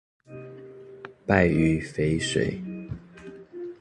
敗於淝水